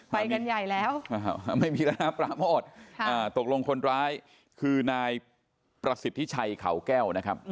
ไปกันใหญ่แล้วไม่มีแล้วนะปราโมทตกลงคนร้ายคือนายประสิทธิชัยเขาแก้วนะครับ